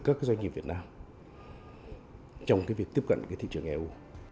các doanh nghiệp việt nam trong việc tiếp cận cái thị trường eu